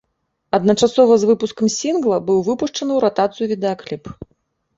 Адначасова з выпускам сінгла быў пушчаны ў ратацыю відэакліп.